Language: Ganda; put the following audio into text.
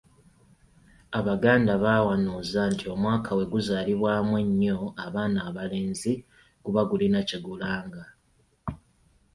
Abaganda bawanuuza nti omwaka bwe guzaalibwamu ennyo abaana abalenzi guba gulina kye gulanga.